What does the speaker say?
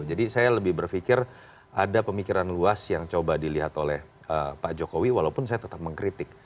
jadi saya lebih berpikir ada pemikiran luas yang coba dilihat oleh pak jokowi walaupun saya tetap mengkritik